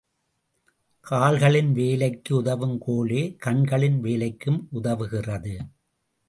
கால்களின் வேலைக்கு உதவும் கோலே கண்களின் வேலைக்கும் உதவுகிறது.